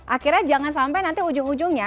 akhirnya jangan sampai nanti ujung ujungnya